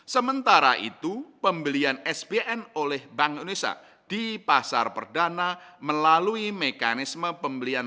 sementara itu pembelian spn oleh bank indonesia di pasar perdana melalui mekanisme pembelian